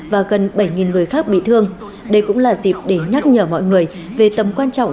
và gần bảy người khác bị thương đây cũng là dịp để nhắc nhở mọi người về tầm quan trọng